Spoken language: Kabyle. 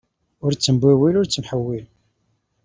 Ur ttembiwil, ur ttḥewwil!